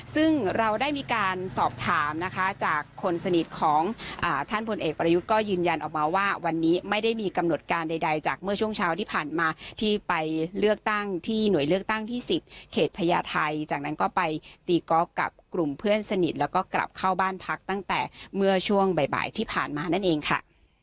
ซึ่งเราได้มีการสอบถามนะคะจากคนสนิทของท่านพลเอกประยุทธ์ก็ยืนยันออกมาว่าวันนี้ไม่ได้มีกำหนดการใดจากเมื่อช่วงเช้าที่ผ่านมาที่ไปเลือกตั้งที่หน่วยเลือกตั้งที่๑๐เขตพญาไทยจากนั้นก็ไปตีกอล์ฟกับกลุ่มเพื่อนสนิทแล้วก็กลับเข้าบ้านพักตั้งแต่เมื่อช่วงบ่ายที่ผ่านมานั่นเองค่ะ